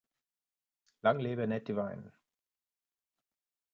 Lang lebe Ned Devine!